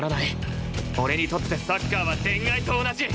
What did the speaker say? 俺にとってサッカーは恋愛と同じ！